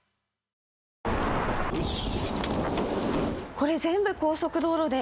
これ全部高速道路で。